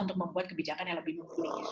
untuk membuat kebijakan yang lebih mumpuni